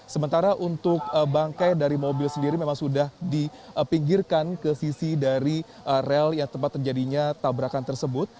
sementara untuk bangkai dari mobil sendiri memang sudah dipinggirkan ke sisi dari rel yang tempat terjadinya tabrakan tersebut